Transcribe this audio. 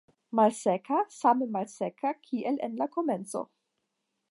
Malseka, same malseka kiel en la komenco.